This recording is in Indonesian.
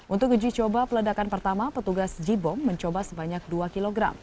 untuk uji coba peledakan pertama petugas j bom mencoba sebanyak dua kg